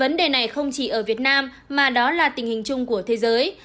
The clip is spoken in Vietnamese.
vấn đề này không chỉ ở việt nam mà đó là tình hình chung của thế giới